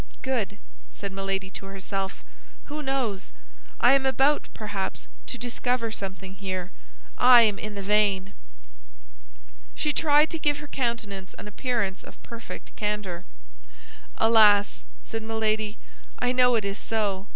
"Good!" said Milady to herself; "who knows! I am about, perhaps, to discover something here; I am in the vein." She tried to give her countenance an appearance of perfect candor. "Alas," said Milady, "I know it is so.